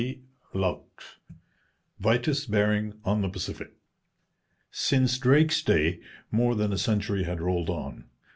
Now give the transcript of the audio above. CHAPTER II VITUS BERING ON THE PACIFIC Since Drake's day more than a century had rolled on.